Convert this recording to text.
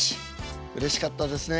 うれしかったですねえ。